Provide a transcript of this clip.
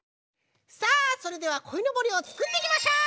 さあそれではこいのぼりをつくっていきましょう！